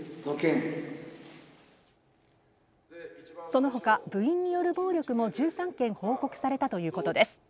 その他、部員による暴力も１３件報告されたということです。